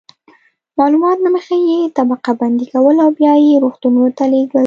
معلومات له مخې یې طبقه بندي کول او بیا یې روغتونونو ته لیږل.